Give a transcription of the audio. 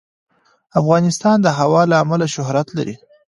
افغانستان د هوا له امله شهرت لري.